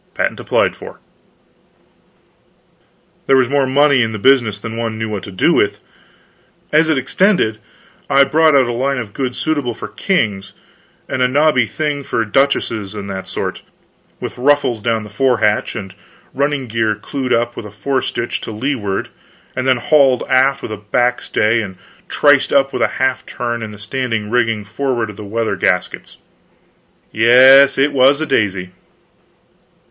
Patent applied for." There was more money in the business than one knew what to do with. As it extended, I brought out a line of goods suitable for kings, and a nobby thing for duchesses and that sort, with ruffles down the forehatch and the running gear clewed up with a featherstitch to leeward and then hauled aft with a back stay and triced up with a half turn in the standing rigging forward of the weather gaskets. Yes, it was a daisy.